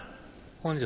本庄